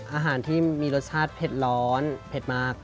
อาหารที่มีรสชาติเผ็ดร้อนเผ็ดมาก